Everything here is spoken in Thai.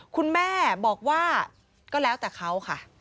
คุณแม่บอกว่าก็แล้วแต่เขาค่ะ